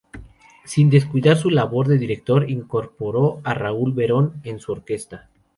Sin descuidar su labor de director, incorporó a Raúl Berón en su orquesta.